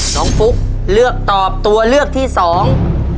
ฟุ๊กเลือกตอบตัวเลือกที่สอง